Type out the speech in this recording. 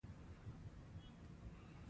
د کانادا وګړي په انګلیسي او فرانسوي خبرې کوي.